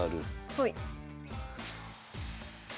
はい。